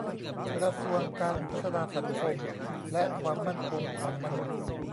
กระทรวงการพัฒนาสังคมและความมั่นคงของมนุษย์